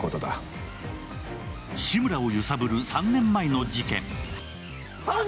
志村を揺さぶる３年前の事件。